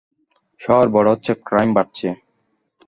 শহর বড় হচ্ছে, ক্রাইম বাড়ছে।